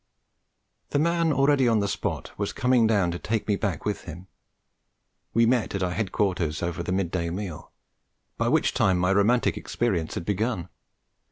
The man already on the spot was coming down to take me back with him: we met at our headquarters over the mid day meal, by which time my romantic experience had begun.